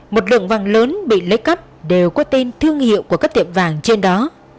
một lượng vàng lớn bị lấy cắp đều có tên thương hiệu của các tiệm vàng trên đó